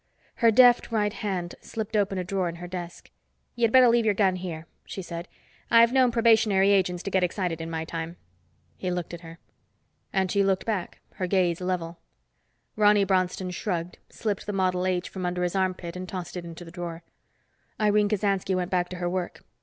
Her deft right hand slipped open a drawer in her desk. "You'd better leave your gun here," she said. "I've known probationary agents to get excited, in my time." He looked at her. And she looked back, her gaze level. Ronny Bronston shrugged, slipped the Model H from under his armpit and tossed it into the drawer. Irene Kasansky went back to her work.